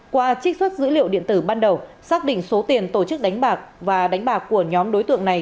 qua trích xuất dữ liệu điện tử ban đầu xác định số tiền tổ chức đánh bạc và đánh bạc của nhóm đối tượng này